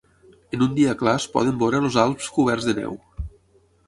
En un dia clar es poden veure els Alps coberts de neu.